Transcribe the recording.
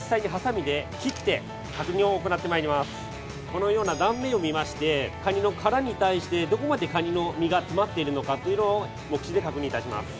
このような断面を見ましてカニの殻に対してどこまでカニの身が詰まっているのかというのを目視で確認致します。